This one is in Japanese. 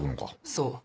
そう。